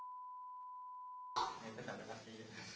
น้าสาวของน้าผู้ต้องหาเป็นยังไงไปดูนะครับ